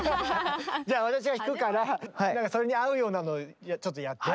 じゃあ私が弾くから何かそれに合うようなのちょっとやって。